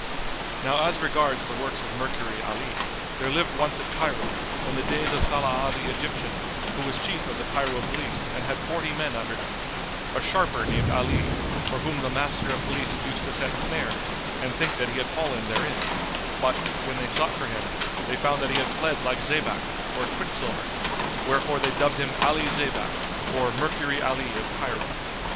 [FN#214] Now as regards the works of Mercury 'Alí; there lived once at Cairo,[FN#215] in the days of Saláh the Egyptian, who was Chief of the Cairo Police and had forty men under him, a sharper named Ali, for whom the Master of Police used to set snares and think that he had fallen therein; but, when they sought for him, they found that he had fled like zaybak, or quicksilver, wherefore they dubbed him Ali Zaybak or Mercury Ali of Cairo.